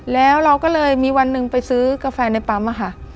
แล้วเราก็เลยมีวันหนึ่งไปซื้อกาแฟในปั๊มค่ะ